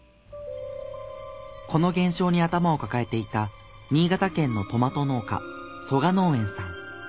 この現象に頭を抱えていた新潟県のトマト農家曽我農園さん。